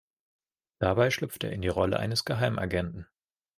Dabei schlüpft er in die Rolle eines Geheimagenten.